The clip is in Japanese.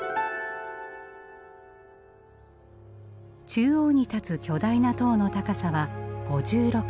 中央に立つ巨大な塔の高さは５６メートル。